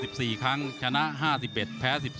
ชกมาแล้ว๗๔ครั้งชนะ๕๑แพ้๑๔